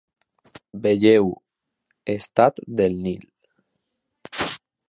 Vegeu: estat del Nil.